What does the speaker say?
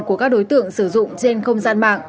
của các đối tượng sử dụng trên không gian mạng